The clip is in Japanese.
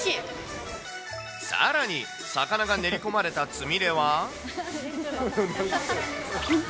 さらに、魚が練り込まれたつみれは。